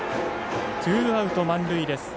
ツーアウト、満塁です。